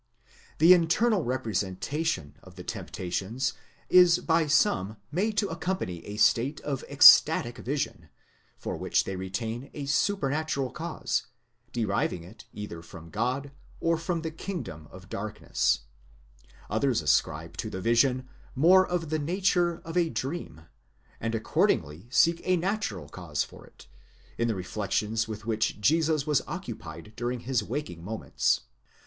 The internal representation of the temptations. is by some made to accompany a state of ecstatic vision, for which they retain a super natural cause, deriving it either from God, or from the kingdom of darkness :* others ascribe to the vision more of the nature of a dream, and accordingly seek a natural cause for it, in the reflections with which Jesus was occupied during his waking moments.